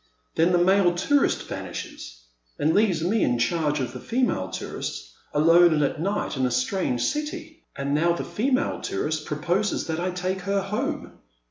Then the male tourist vanishes — and leaves me in charge of the female tourist, alone and at night in a strange city ! And now the female tourist proposes that I take her home